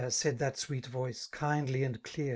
*' said that sweet voice, kindly and clear.